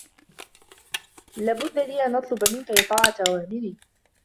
لا بد لي أن أطلب منك إطاعة أوامري.